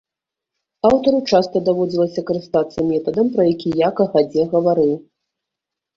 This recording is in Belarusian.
Аўтару часта даводзілася карыстацца метадам, пра які я кагадзе гаварыў.